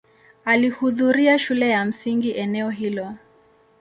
Alihudhuria shule ya msingi eneo hilo.